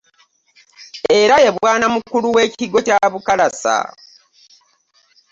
Era ye bwanamukulu w'ekigo kya Bukalasa.